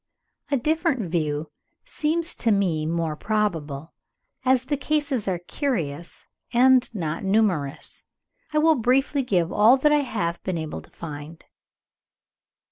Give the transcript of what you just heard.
A different view seems to me more probable. As the cases are curious and not numerous, I will briefly give all that I have been able to find.